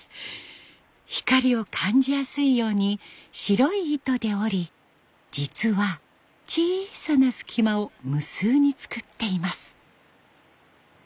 光を感じやすいように白い糸で織り実は小さな隙間を無数に作っています。